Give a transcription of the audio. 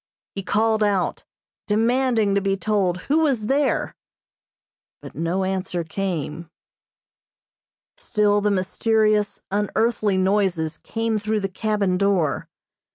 He called out, demanding to be told who was there, but no answer came. Still the mysterious, unearthly noises came through the cabin door.